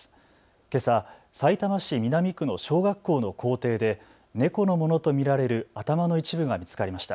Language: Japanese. けさ、さいたま市南区の小学校の校庭で猫のものと見られる頭の一部が見つかりました。